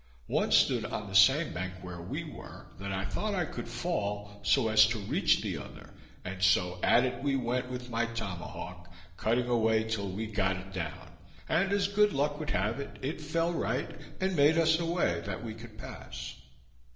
One stood on the same bank where we were, that I thought I could fall, so as to reach the other; and so at it we went with my tomahawk, cutting away till we got it down; and, as good luck would have it, it fell right, and made us a way that we could pass.